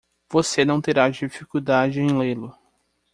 Você não terá dificuldade em lê-lo.